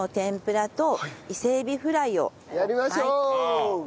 ではやりましょう！